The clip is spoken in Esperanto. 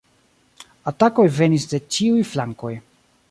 Atakoj venis de ĉiuj flankoj.